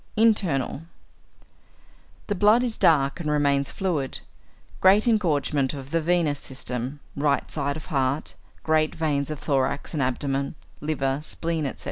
Internal. The blood is dark and remains fluid; great engorgement of venous system, right side of heart, great veins of thorax and abdomen, liver, spleen, etc.